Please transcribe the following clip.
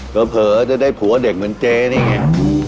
เผลอจะได้ผัวเด็กเหมือนเจ๊นี่ไง